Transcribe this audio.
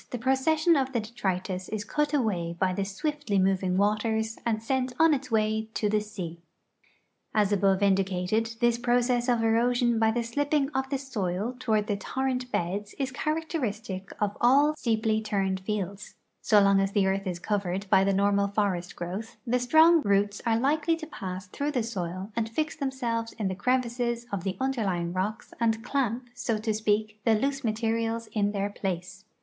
the procession of the detritus is cut ayvay by the syviftly moving yvaters and sent on its yvay to the sea. As above indicated, this process of erosion by the slipping of the soil toyvard the torrent beds is characteristic of all steeply 368 THE ECONOMIC ASPECTS OF SOIL EROSION 369 turned fields. So Ion? as the earth is covered hy the normal forest growth the strong roots are likely to pass through the soil and fix themselves in the crevices of the underlying rocks and clamp, so to speak, the loose materials in their place.